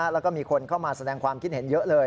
แล้วก็มีคนเข้ามาแสดงความคิดเห็นเยอะเลย